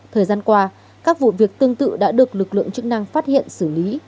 thời gian qua các vụ việc tương tự đã được lực lượng chức năng phát hiện xử lý